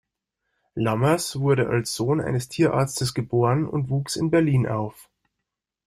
Lammers wurde als Sohn eines Tierarztes geboren und wuchs in Berlin auf.